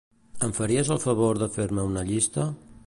Em faries el favor de fer-me una llista?